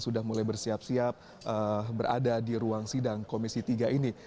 sudah mulai bersiap siap berada di ruang sidang komisi tiga ini